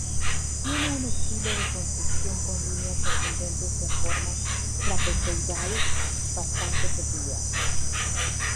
Tiene un estilo de construcción con líneas ascendentes en forma trapezoidal bastante peculiar.